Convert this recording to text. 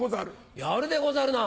やるでござるな。